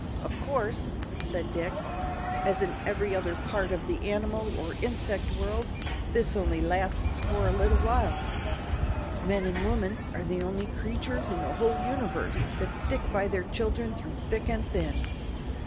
"Of course," said Dick, "as in every other part of the animal or insect world, this only lasts for a little while. Men and women are the only creatures in the whole universe that stick by their children through thick and thin.